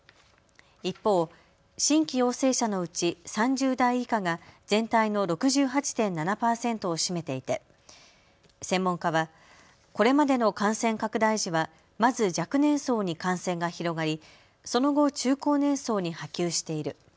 一方、新規陽性者のうち３０代以下が全体の６８．７％を占めていて専門家はこれまでの感染拡大時はまず若年層に感染が広がりその後、中高年層に波及している。